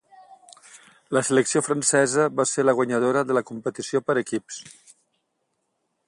La selecció francesa va ser la guanyadora de la competició per equips.